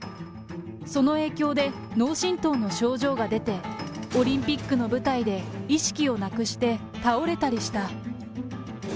その影響で脳震とうの症状が出て、オリンピックの舞台で意識をなくして、倒れたりした。